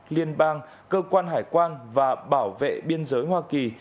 liên bang cơ quan hải quan và bảo vệ biên giới hoa kỳ